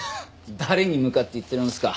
誰に向かって言ってるんすか？